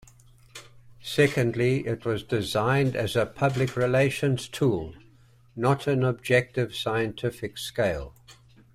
Secondly, it was designed as a public relations tool, not an objective scientific scale.